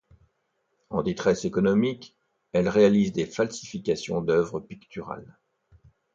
En détresse économique, elle réalise des falsifications d’œuvres picturales.